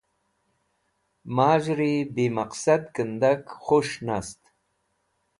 Maz̃hri bi maqsad kẽndak khus̃h nast.